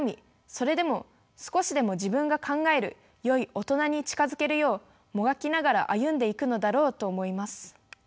それでも少しでも自分が考える「善い大人」に近づけるようもがきながら歩んでいくのだろうと思います。